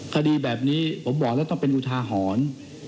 คดีแบบนี้ผมบอกแล้วต้องเป็นอุทาหรณ์